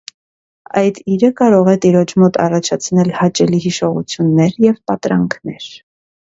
Այդ իրը կարող է տիրոջ մոտ առաջացնել հաճելի հիշողություններ և պատրանքներ։